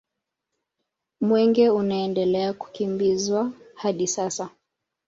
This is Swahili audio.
Mwenge unaendelea kukimbizwa hadi sasa